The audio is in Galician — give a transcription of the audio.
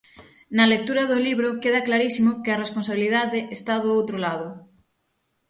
Na lectura do libro queda clarísimo que a responsabilidade está do outro lado.